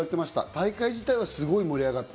大会自体はすごく盛り上がった。